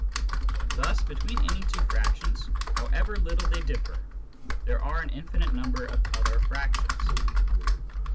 Thus between any two fractions, however little they differ, there are an infinite number of other fractions.